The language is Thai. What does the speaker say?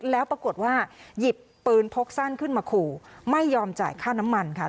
แล้วปรากฏว่าหยิบปืนพกสั้นขึ้นมาขู่ไม่ยอมจ่ายค่าน้ำมันค่ะ